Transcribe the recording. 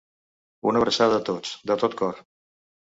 Una abraçada a tots, de tot cor.